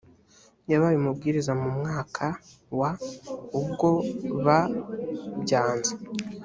yabaye umubwiriza mu mwaka wa ubwo bbyanze